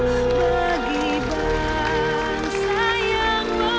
dibuang dibesarkan bunda